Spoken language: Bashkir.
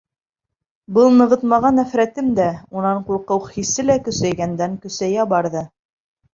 Был нығытмаға нәфрәтем дә, унан ҡурҡыу хисе лә көсәйгәндән-көсәйә барҙы.